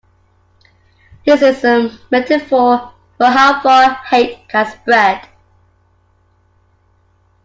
This is a metaphor for how far hate can spread.